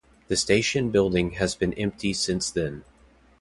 The station building has been empty since then.